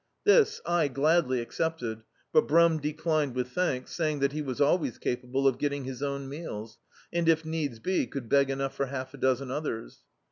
This I gladly accepted, but Brum declined with thanks, saying diat he was always capable of getting his own meals, and if needs be, could beg enough for half a dozen others.